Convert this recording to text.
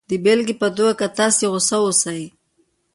د بېلګې په توګه که تاسې غسه اوسئ